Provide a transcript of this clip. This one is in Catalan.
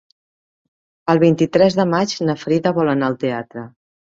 El vint-i-tres de maig na Frida vol anar al teatre.